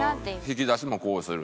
引き出しもこうする。